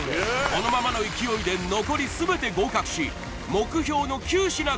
このままの勢いで残り全て合格し目標の９品